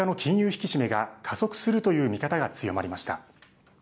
引き締めが加速するという見方が強まりました。